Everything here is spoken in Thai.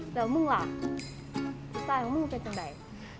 แล้วมึงล่ะใต้ไม่รู้เป็นจนไหน